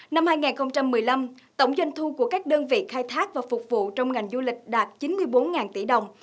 năm hai nghìn một mươi năm tổng doanh thu của các đơn vị khai thác và phục vụ trong ngành du lịch đạt chín mươi bốn tỷ đồng